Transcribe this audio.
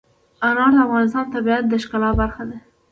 انار د افغانستان د طبیعت د ښکلا برخه ده.